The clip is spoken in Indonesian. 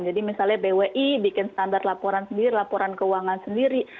jadi misalnya bwi bikin standar laporan sendiri laporan keuangan sendiri